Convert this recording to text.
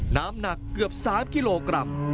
น้ำหนักเกือบ๓กิโลกรัม